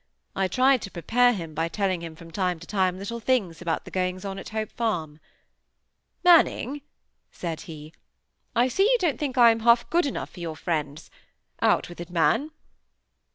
I tried to prepare him, by telling him from time to time little things about the goings on at Hope Farm. "Manning," said he, "I see you don't think I am half good enough for your friends. Out with it, man."